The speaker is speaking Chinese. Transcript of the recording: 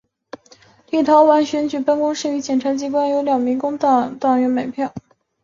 立陶宛选举办公室与检察机关证实有两名工党党员买票。